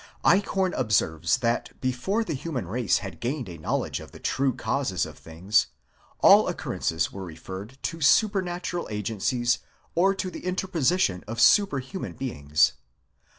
Eichhorn ob serves that before the human race had gained a knowledge of the true causes of things, all occurrences were referred to supernatural agencies, or to the interposition of superhuman beings.